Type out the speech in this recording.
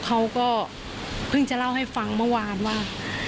เขาก็เพิ่งจะเล่าให้ฟังเมื่อวานว่า